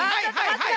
はい！